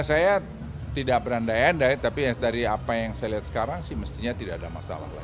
ya saya tidak beranda endai tapi dari apa yang saya lihat sekarang sih mestinya tidak ada masalah lagi